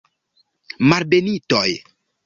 Malbenitoj!